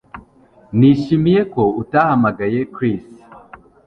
Nishimiye ko utahamagaye Chris